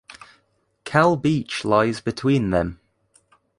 Cal beach lies between them.